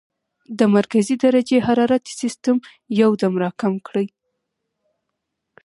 د مرکزي درجه حرارت سسټم يو دم را کم کړي -